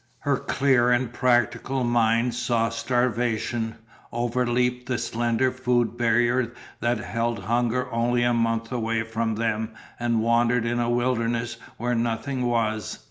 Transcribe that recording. Her clear and practical mind saw starvation, over leaped the slender food barrier that held hunger only a month away from them and wandered in a wilderness where nothing was.